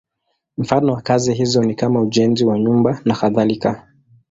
Mfano wa kazi hizo ni kama ujenzi wa nyumba nakadhalika.